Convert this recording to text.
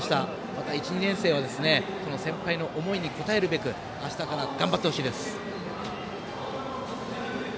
また１、２年生は先輩の思いに応えるべくあしたから頑張ってほしいです。